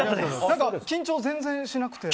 何か緊張全然しなくて。